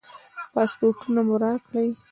پاسپورټونه مو راکړئ.